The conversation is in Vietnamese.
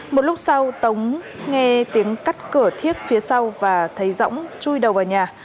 một lúc sau tống nghe tiếng cắt cửa thiếc phía sau và thấy rõng chui đầu vào nhà